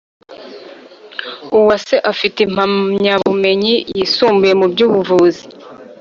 uwase afite impamya bumenyi yisumbuye mu by’ubuvuzi